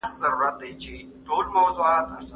هغه سړی به تر مرګ پورې د ولسمشر د دې نېکۍ پوروړی پاتې وي.